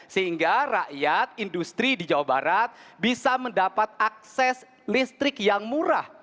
sehingga rakyat industri di jawa barat bisa mendapat akses listrik yang murah